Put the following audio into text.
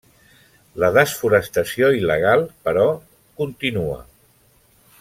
La desforestació il·legal, però, continua.